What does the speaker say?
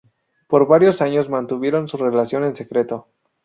Por varios años mantuvieron su relación en secreto.